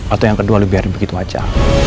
atau yang kedua lebih biarin begitu aja